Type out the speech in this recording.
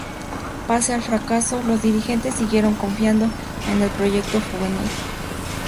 Pese al fracaso, los dirigentes siguieron confiando en el proyecto juvenil.